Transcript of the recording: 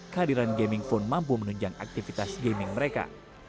kehadiran gaming phone mampu menunjang aktivitas gaming mereka